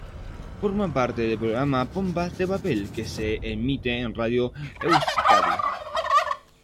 Forma parte del programa "Pompas de papel", que se emite en Radio Euskadi.